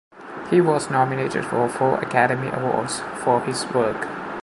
He was nominated for four Academy Awards for his work.